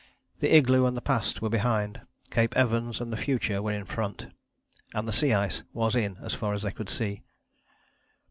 The igloo and the past were behind: Cape Evans and the future were in front and the sea ice was in as far as they could see.